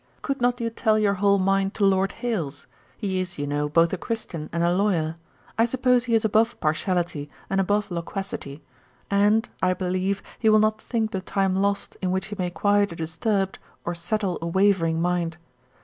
Could not you tell your whole mind to Lord Hailes? He is, you know, both a Christian and a Lawyer. I suppose he is above partiality, and above loquacity: and, I believe, he will not think the time lost in which he may quiet a disturbed, or settle a wavering mind.